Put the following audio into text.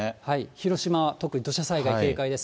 広島は特に土砂災害警戒です。